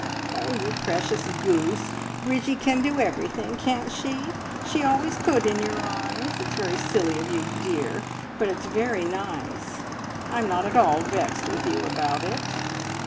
"Oh, you precious goose! Bridgie can do everything, can't she? She always could in your eyes. It's very silly of you, dear, but it's very nice. I'm not at all vexed with you about it."